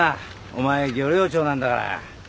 お前漁労長なんだから。